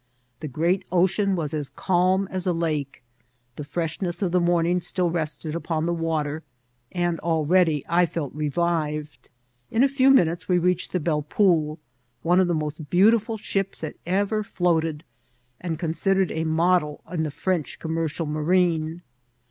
The great ocean was as calm as a lake ; the freshness of the morning still rested u^n the water, and already I felt revived. In a few mia* utes we reached the Belle Poule, one of the most beau tiful ships that ever floated, and considered a model in the French commercial marine.